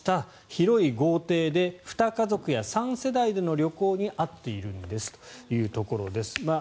広い豪邸で２家族や３世代での旅行に合っているんですというところです。